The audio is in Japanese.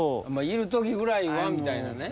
いるときぐらいはみたいなね。